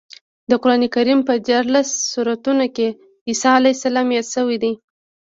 د قرانکریم په دیارلس سورتونو کې عیسی علیه السلام یاد شوی دی.